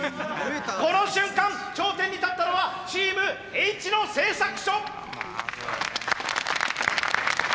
この瞬間頂点に立ったのはチームＨ野製作所！